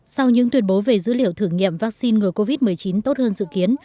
sau những tuyệt bố về dữ liệu thử nghiệm vaccine ngừa covid một mươi chín tốt hơn dự kiến